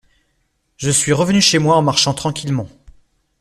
Je suis revenu chez moi en marchant tranquillement.